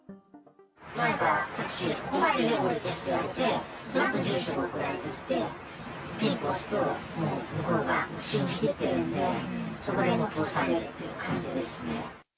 前からタクシーでここまでで降りてって言われて、そのあと住所が送られてきて、ピンポン押すと、もう向こうが信じきっているんで、そこで通されるっていう感じですね。